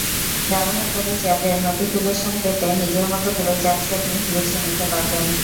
ব্যবহারকারী চ্যাটের নোটিফিকেশন পেতে নিজের মতো করে চ্যাট সেটিংস গুছিয়ে নিতে পারবেন।